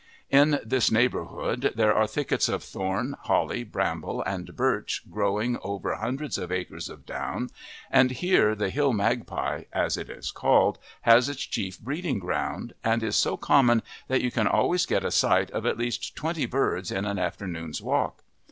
In this neighbourhood there are thickets of thorn, holly, bramble, and birch growing over hundreds of acres of down, and here the hill magpie, as it is called, has its chief breeding ground, and is so common that you can always get a sight of at least twenty birds in an afternoon's walk.